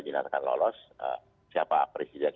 dilakukan lolos siapa presidennya